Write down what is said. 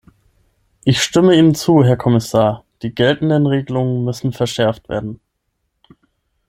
Ich stimme Ihnen zu, Herr Kommissar, die geltenden Regelungen müssen verschärft werden.